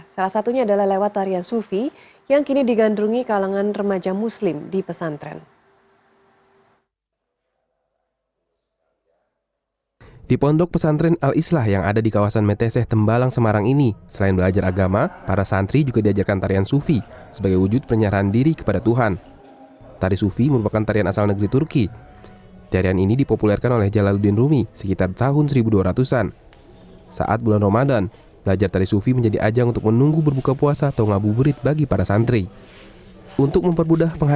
salah satunya adalah lewat tarian sufi yang kini digandrungi kalangan remaja muslim di pesantren